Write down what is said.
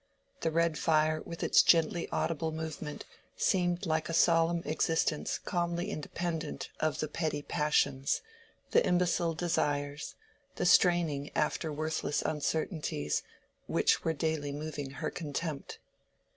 The red fire with its gently audible movement seemed like a solemn existence calmly independent of the petty passions, the imbecile desires, the straining after worthless uncertainties, which were daily moving her contempt.